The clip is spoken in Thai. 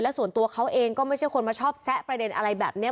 ส่วนตัวเขาเองก็ไม่ใช่คนมาชอบแซะประเด็นอะไรแบบนี้